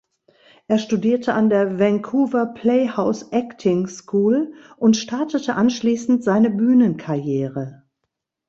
Er studierte an der Vancouver Playhouse Acting School und startete anschließend seine Bühnenkarriere.